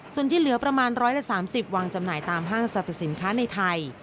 ส่วนที่เหลือประมาณ๑๓๐วางจำหน่ายตามห้างสรรพสินค้าในไทย